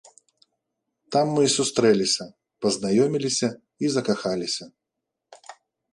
Там мы і сустрэліся, пазнаёміліся і закахаліся.